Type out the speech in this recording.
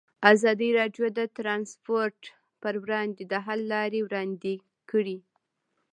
ازادي راډیو د ترانسپورټ پر وړاندې د حل لارې وړاندې کړي.